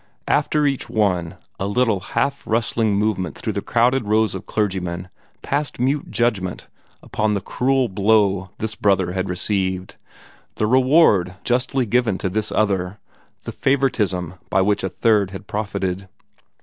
After each one a little half rustling movement through the crowded rows of clergymen passed mute judgment upon the cruel blow this brother had received, the reward justly given to this other, the favoritism by which a third had profited.